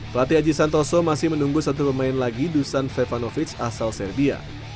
pelatih aji santoso masih menunggu satu pemain lagi dusan vevanovic asal serbia